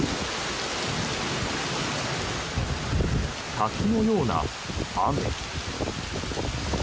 滝のような雨。